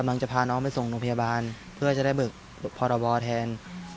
บางทีจะพาน้องไปส่งโรงพยาบาลเพื่อจะได้เบิกพอร์ตอบอลแทน